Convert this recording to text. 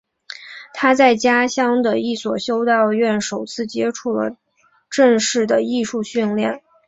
他在家乡的一所修道院首次接触了正式的艺术训练。